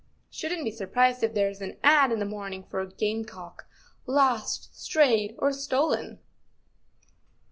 " Shouldn't be sur¬ prised if there's an ad. in this morning for a game¬ cock * lost, strayed—or stolen.